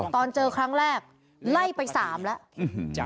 ตอนเจอครั้งแรกไล่ไป๓แล้ว